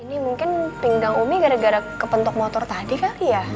ini mungkin pinggang umi gara gara kepentok motor tadi kali ya